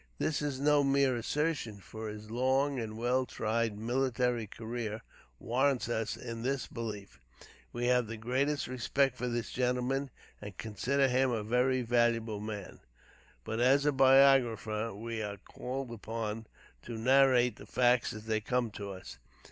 This is no mere assertion, for his long and well tried military career warrants us in this belief. We have the greatest respect for this gentleman, and consider him a very able man; but, as a biographer, we are called upon to narrate the facts as they come to us.